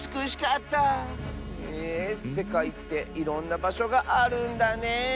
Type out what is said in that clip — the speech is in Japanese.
へえせかいっていろんなばしょがあるんだね！